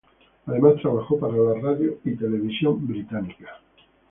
Además trabajó para la radio y televisión británica.